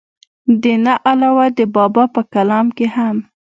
دې نه علاوه د بابا پۀ کلام کښې هم